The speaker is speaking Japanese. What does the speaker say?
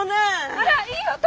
あらいい男！